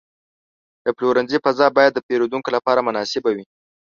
د پلورنځي فضا باید د پیرودونکو لپاره مناسب وي.